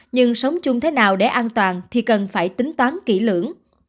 nhưng sống chung thế nào để an toàn thì cần phải tính toán kỹ lưỡng